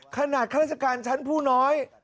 ขนาดฆาติการชั้นผู้น้อย